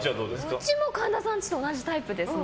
うちも神田さんの家と同じタイプですね。